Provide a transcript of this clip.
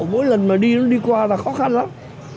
mỗi lần mà đi nó đi qua là khó khăn lắm